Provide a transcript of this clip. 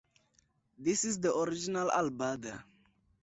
This is the Original Al-Burda.